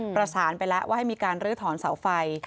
ประสานไปแล้วว่าให้มีการลื้อถอนเสาไฟ